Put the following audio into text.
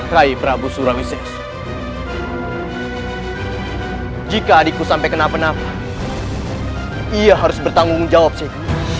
raih prabu surawisesa jika adikku sampai kenapa napa ia harus bertanggung jawab syekh